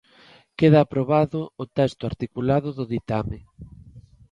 Queda aprobado o texto articulado do ditame.